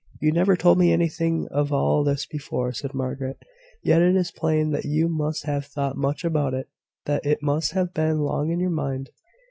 "You never told me anything of all this before," said Margaret; "yet it is plain that you must have thought much about it that it must have been long in your mind."